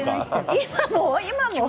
今も？